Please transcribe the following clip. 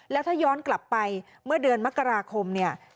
แล้วถ้าย้อนกลับไปเมื่อเดือนมกราคมเนี่ย